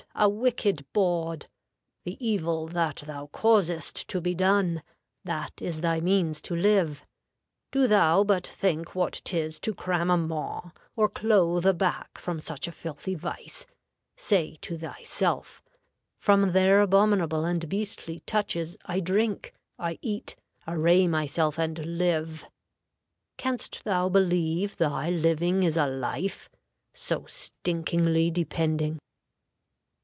a wicked bawd! The evil that thou causest to be done, That is thy means to live: do thou but think What 'tis to cram a maw or clothe a back From such a filthy vice; say to thyself, From their abominable and beastly touches I drink, I eat, array myself, and live. Canst thou believe thy living is a life? So stinkingly depending."